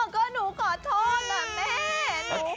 อ๋อก็หนูขอโทษอะแม่